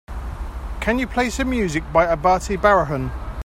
Can you play some music by Abatte Barihun?